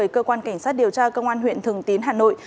cơ quan cảnh sát điều tra công an huyện thường tín hà nội